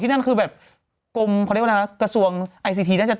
สีวิต้ากับคุณกรนิดหนึ่งดีกว่านะครับแฟนแฟนแห่เชียร์หลังเห็นภาพ